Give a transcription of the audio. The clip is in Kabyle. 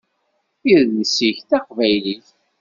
Idles-ik d taqbaylit.